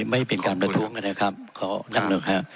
ไม่เป็นการประทุกข์นะครับขออนุญาตนะครับ